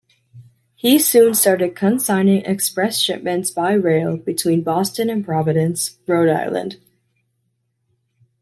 He soon started consigning express shipments by rail between Boston and Providence, Rhode Island.